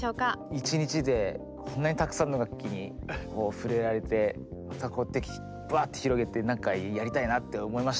１日でこんなにたくさんの楽器に触れられてまたこうやってバッて広げてなんかやりたいなって思いました。